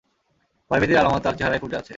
ভয়-ভীতির আলামত তাঁর চেহারায় ফুটে আছে।